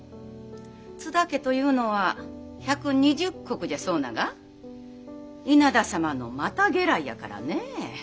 津田家というのは１２０石じゃそうなが稲田様の又家来やからねえ。